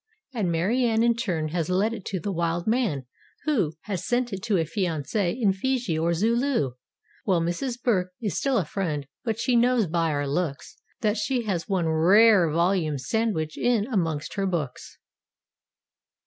And Mary Ann in turn has let it to the "wild man" who Has sent it to a fiance in Fiji or Zulu. Well Mrs. Burke is still a friend—but she knows by our looks, That she has one rare volume sandwiched in amongst her books.